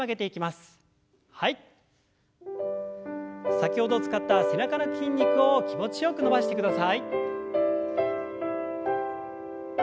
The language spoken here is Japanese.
先ほど使った背中の筋肉を気持ちよく伸ばしてください。